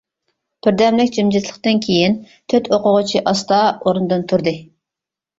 بىردەملىك جىمجىتلىقتىن كېيىن تۆت ئوقۇغۇچى ئاستا ئورنىدىن تۇردى.